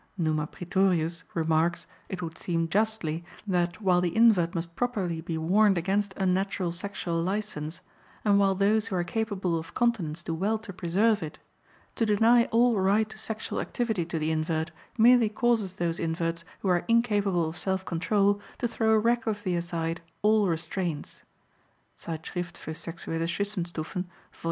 Numa Praetorius remarks, it would seem justly, that while the invert must properly be warned against unnatural sexual license, and while those who are capable of continence do well to preserve it, to deny all right to sexual activity to the invert merely causes those inverts who are incapable of self control to throw recklessly aside all restraints (Zeitschrift für sexuelle Zwischenstufen, vol.